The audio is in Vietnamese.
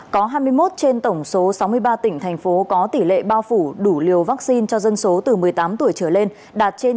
có hai mươi một trên tổng số sáu mươi ba tỉnh thành phố có tỷ lệ bao phủ đủ liều vaccine cho dân số từ một mươi tám tuổi trở lên đạt trên chín mươi